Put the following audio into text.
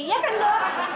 ya kan do